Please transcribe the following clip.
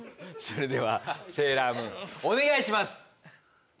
それでは「セーラームーン」お願いします！